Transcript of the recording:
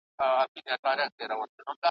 هغه کډه له کوڅې نه باروله ,